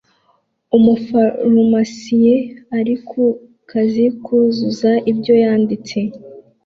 Umufarumasiye ari kukazi kuzuza ibyo yanditse